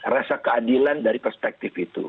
rasa keadilan dari perspektif itu